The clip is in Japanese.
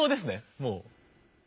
もう。